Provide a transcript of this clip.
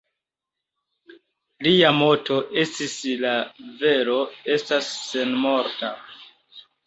Lia moto estis "La vero estas senmorta".